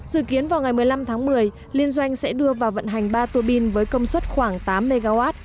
dự kiến vào ngày một mươi năm tháng một mươi liên doanh sẽ đưa vào vận hành ba tua bin với công suất khoảng tám mw